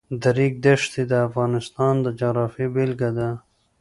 د ریګ دښتې د افغانستان د جغرافیې بېلګه ده.